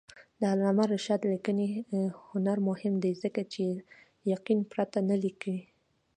د علامه رشاد لیکنی هنر مهم دی ځکه چې یقین پرته نه لیکي.